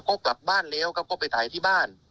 เขากลับบ้านแล้วก็ไปถ่ายที่บ้าน